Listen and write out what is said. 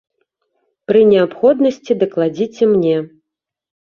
Пры неабходнасці дакладзіце мне.